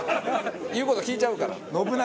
言う事聞いちゃうから。